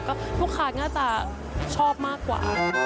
ก็ลูกค้าน่าจะชอบมากกว่า